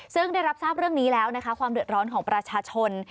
ซึ่งได้รับทราบเรื่องนี้แล้วนะคะความเดือดร้อนของประชาชน